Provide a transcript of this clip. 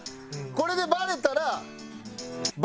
これでバレたら。